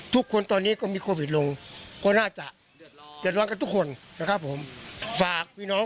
ทุกคนตอนนี้ก็มีโควิดลงก็น่าจะเตรียดร้อน